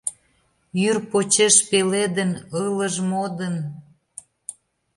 Йӱр почеш пеледын, ылыж, модын